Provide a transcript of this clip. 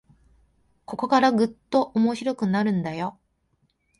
ここからぐっと面白くなるんだよ